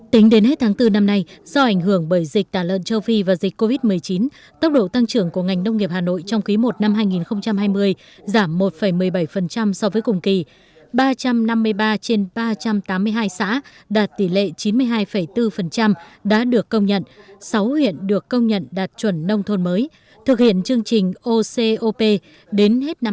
tính đến hết tháng bốn năm nay do ảnh hưởng bởi dịch tàn lợn châu phi và dịch covid một mươi chín tốc độ tăng trưởng của ngành nông nghiệp hà nội trong ký một năm hai nghìn hai mươi giảm một một mươi bảy so với cùng kỳ ba trăm năm mươi ba trên ba trăm tám mươi hai xã đạt tỷ lệ chín mươi hai bốn đã được công nhận sáu huyện được công nhận đạt chuẩn nông thôn mới thực hiện chương trình ocop đến hết năm hai nghìn một mươi chín